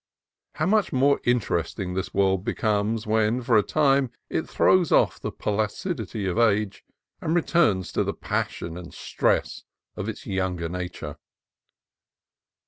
How much more interesting this world becomes when for a time it throws off the placidity of age and returns to the passion and stress of its younger nature